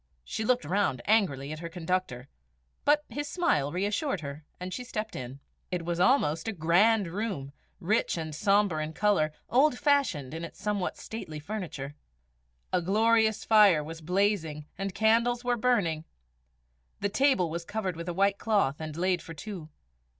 She looked round angrily at her conductor. But his smile reassured her, and she stepped in. It was almost a grand room, rich and sombre in colour, old fashioned in its somewhat stately furniture. A glorious fire was blazing and candles were burning. The table was covered with a white cloth, and laid for two.